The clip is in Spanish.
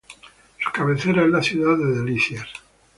Su cabecera es la ciudad de Delicias.